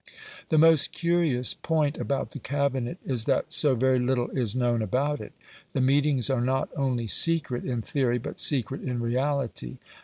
The most curious point about the Cabinet is that so very little is known about it. The meetings are not only secret in theory, but secret in reality.